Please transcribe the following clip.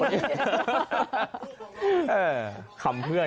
ยิ้มทำไม